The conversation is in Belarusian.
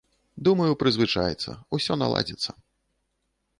Думаю, прызвычаіцца, усё наладзіцца!